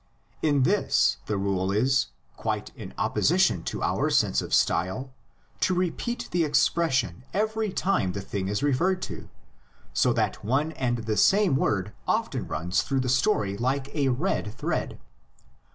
In this the rule is, quite in opposition to our sense of style, to repeat the expression every time the thing is referred to, so that one and the same word often runs through the story like a red thread.